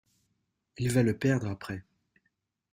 Il va le perdre après.